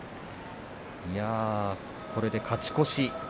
これで勝ち越し。